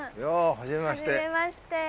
はじめまして。